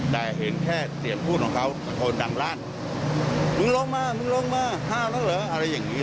แต่เห็นแค่เสียงภูตของเค้าพอดังราณมึงลงมามึงลงมา๕แล้วเหรออะไรแบบนี้